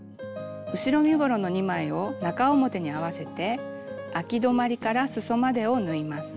後ろ身ごろの２枚を中表に合わせてあき止まりからすそまでを縫います。